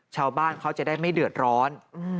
ชาวบ้านเขาจะได้ไม่เดือดร้อน